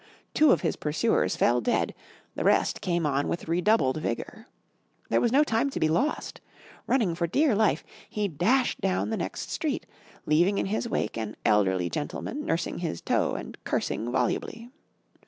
Two of his pursuers fell dead, the rest came on with redoubled vigour. There was no time to be lost. Running for dear life, he dashed down the next street, leaving in his wake an elderly gentleman nursing his toe and cursing volubly.